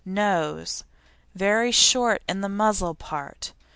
NOSE Very short in the muzzle part.